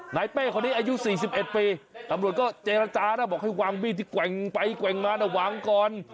เป้คนนี้อายุ๔๑ปีตำรวจก็เจรจานะบอกให้วางมีดที่แกว่งไปแกว่งมานะวางก่อน